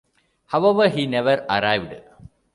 However, he never arrived.